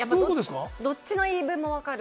どっちの言い分もわかる。